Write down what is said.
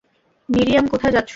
Miriam, কোথায় যাচ্ছো?